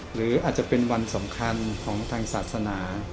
หรืออาจจะเป็นวันสำคัญของทางศาสนา